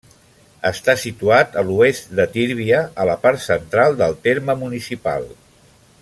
Està situat a l'oest de Tírvia, a la part central del terme municipal.